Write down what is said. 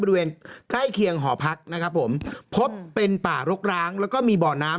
บริเวณใกล้เคียงหอพักนะครับผมพบเป็นป่ารกร้างแล้วก็มีบ่อน้ำ